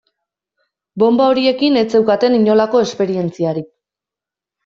Bonba horiekin ez zeukaten inolako esperientziarik.